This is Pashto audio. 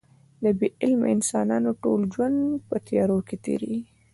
د بې علمه انسانانو ټول ژوند په تیارو کې تېرېږي.